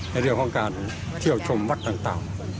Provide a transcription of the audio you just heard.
ในเรื่องของการเที่ยวชมวัดต่าง